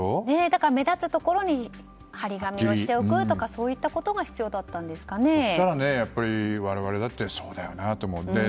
だから目立つところに貼り紙をしておくとかがそしたら我々だってそうだよなと思って。